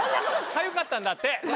かゆかったんだって。